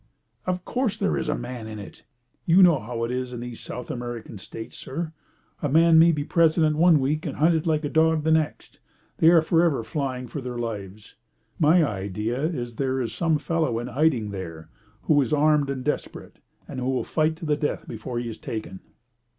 "Of course there is a man in it. You know how it is in these South American States, sir. A man may be president one week and hunted like a dog the next they are for ever flying for their lives. My idea is that there is some fellow in hiding there, who is armed and desperate, and who will fight to the death before he is taken."